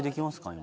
今。